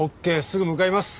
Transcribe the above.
すぐ向かいます。